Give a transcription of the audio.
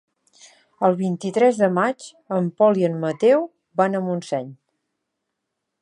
El vint-i-tres de maig en Pol i en Mateu van a Montseny.